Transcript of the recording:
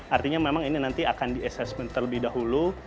artinya memang ini nanti akan di assessment terlebih dahulu